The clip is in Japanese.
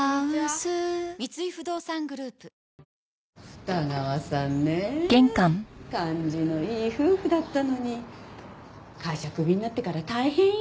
二川さんねえ感じのいい夫婦だったのに会社クビになってから大変よ。